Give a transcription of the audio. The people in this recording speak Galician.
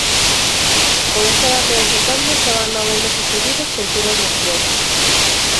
Con este dato de setembro xa van nove meses seguidos con subas nos prezos.